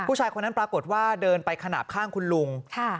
ผู้ชายคนนั้นปรากฏว่าเดินไปขนาดข้างคุณลุง